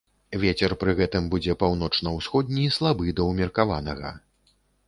Вецер пры гэтым будзе паўночна-ўсходні, слабы да ўмеркаванага.